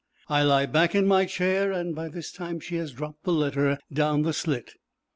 I lie back in my chair, and by this time she has dropped the letter down the slit.